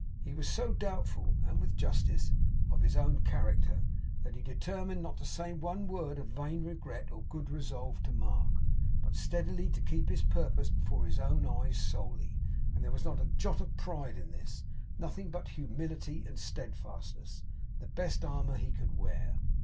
He was so doubtful (and with justice) of his own character, that he determined not to say one word of vain regret or good resolve to Mark, but steadily to keep his purpose before his own eyes solely; and there was not a jot of pride in this; nothing but humility and steadfastness; the best armour he could wear.